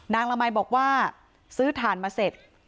ละมัยบอกว่าซื้อถ่านมาเสร็จ